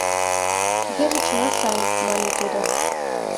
— Тугеже чыла сай, — мане тудо.